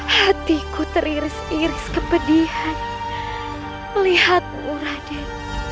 hatiku teriris iris kepedihan melihatmu raden